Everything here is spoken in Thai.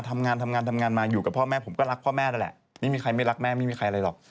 ทำงานมาอยู่กับพ่อแม่ผมก็รักพ่อแม่นั่นแหละ